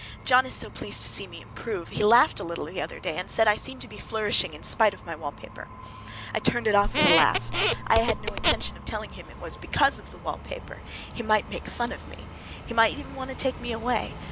John is so pleased to see me improve! He laughed a little the other day, and said I seemed to be flourishing in spite of my wallpaper. I turned it off with a laugh. I had no intention of telling him it was because of the wallpaper—he would make fun of me. He might even want to take me away.